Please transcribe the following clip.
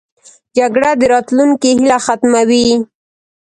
جګړه د راتلونکې هیله ختموي